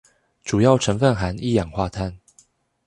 主要成分含一氧化碳